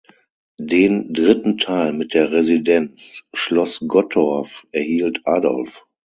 Den dritten Teil mit der Residenz Schloss Gottorf erhielt Adolf.